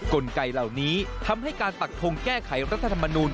กลไกเหล่านี้ทำให้การปักทงแก้ไขรัฐธรรมนูล